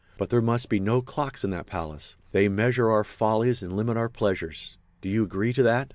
But there must be no clocks in that palace—they measure our follies and limit our pleasures. Do you agree to that?"